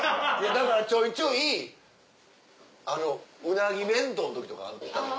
だからちょいちょいうなぎ弁当の時とかあったの。